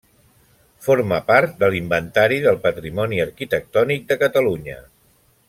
Form part de l'Inventari del Patrimoni Arquitectònic de Catalunya.